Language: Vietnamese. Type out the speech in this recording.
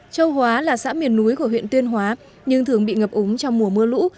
châu hóa là xã miền núi của huyện tuyên hóa nhưng thường bị ngập ống trong mùa mưa lũ